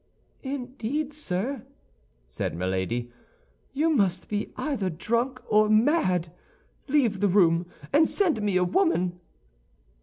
"Indeed, sir," said Milady, "you must be either drunk or mad. Leave the room, and send me a woman."